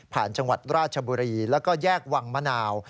จังหวัดราชบุรีแล้วก็แยกวังมะนาว